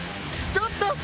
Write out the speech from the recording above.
ちょっと！